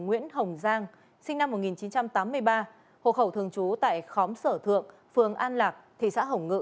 huỳnh văn lên sinh năm một nghìn chín trăm tám mươi ba hộ khẩu thường trú tại khóm sở thượng phường an lạc thị xã hồng ngự